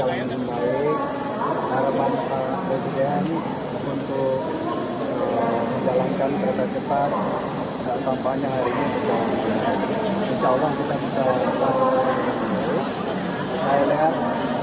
hai saya lihat di indonesia bahwa ini sangat kompak untuk berjalan dua kali kali ya semua mungkin